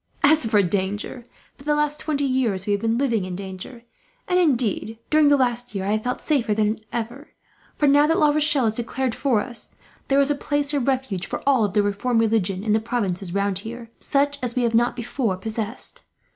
"As for danger, for the last twenty years we have been living in danger; and indeed, during the last year I have felt safer than ever for, now that La Rochelle has declared for us, there is a place of refuge, for all of the reformed religion in the provinces round, such as we have not before possessed.